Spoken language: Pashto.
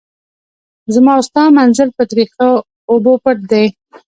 زما او ستا منزل په تریخو اوبو پټ دی.